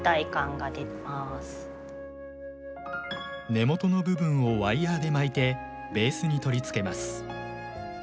根元の部分をワイヤーで巻いてベースに取り付けます。